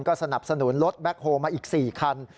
ก็สนับสนุนรถแบ็คโฮมาอีก๔คัน